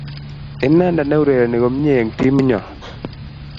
Inendet neurereni komnyei eng timinyo